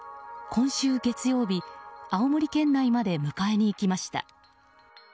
今週月曜日、青森県内まで迎えに行きました。